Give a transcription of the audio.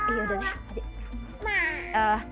iya udah deh